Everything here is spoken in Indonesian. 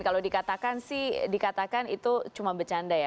kalau dikatakan sih dikatakan itu cuma bercanda ya